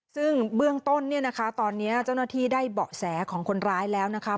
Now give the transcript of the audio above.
ซึ่งเบื้องต้นเนี่ยนะคะตอนนี้เจ้าหน้าที่ได้เบาะแสของคนร้ายแล้วนะคะ